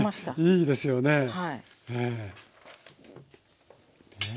いいですよね。